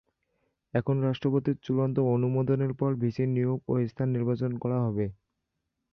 এখন রাষ্ট্রপতির চূড়ান্ত অনুমোদনের পর ভিসি নিয়োগ ও স্থান নির্বাচন করা হবে।